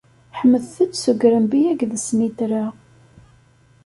Ḥemdet- t s ugrambi akked snitra!